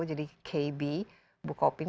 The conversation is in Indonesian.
jadi kb bu kopin